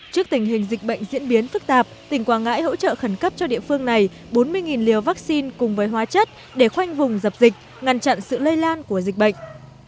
trước tình hình dịch bệnh diễn biến phức tạp tỉnh quảng ngãi hỗ trợ khẩn cấp cho địa phương này bốn mươi liều vaccine cùng với hóa chất để khoanh vùng dập dịch ngăn chặn sự lây lan của dịch bệnh